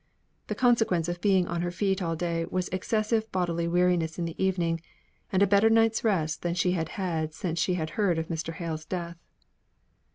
The consequence of her being on her feet all day was excessive bodily weariness in the evening, and a better night's rest than she had had since she heard of Mr. Hale's death.